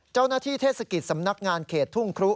เจ้าหน้าที่เทศกิจสำนักงานเขตทุ่งครุ